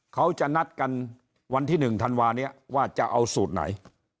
เขาจะนัดกันวันที่๑ธันวานี้ว่าจะเอาสูตรไหน